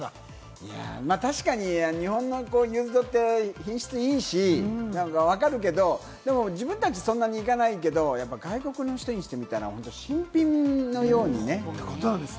確かに日本のユーズドって品質良いし、分かるけれども、でも自分たち、そんなに行かないけれども、外国の人にしてみたら新品のようにね。